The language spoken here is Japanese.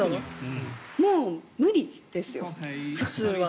もう無理ですよ、普通は。